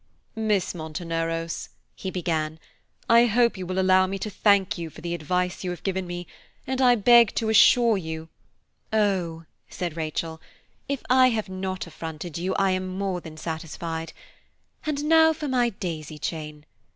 "Miss Monteneros," he began, "I hope you will allow me to thank you for the advice you have given me, and I beg to assure you–" "Oh!" said Rachel, "if I have not affronted you, I am more than satisfied; and now for my daisy chain.